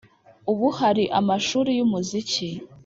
ubu hari amashuri y’umuziki